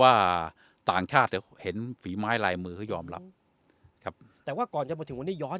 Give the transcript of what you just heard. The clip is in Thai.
ว่าต่างชาติเห็นฝีไม้ลายมือเขายอมรับครับแต่ว่าก่อนจะมาถึงวันนี้ย้อน